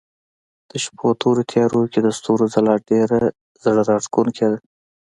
د شپو تورو تيارو کې د ستورو ځلا ډېره زړه راښکونکې ده.